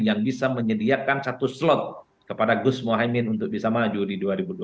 yang bisa menyediakan satu slot kepada gus mohaimin untuk bisa maju di dua ribu dua puluh